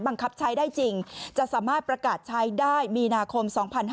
บังคับใช้ได้จริงจะสามารถประกาศใช้ได้มีนาคม๒๕๕๙